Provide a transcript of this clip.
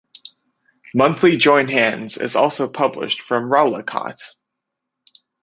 Monthly Join Hands is also published from Rawalakot.